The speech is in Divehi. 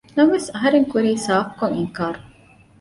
ނަމަވެސް އަހަރެން ކުރީ ސާފު ކޮށް އިންކާރު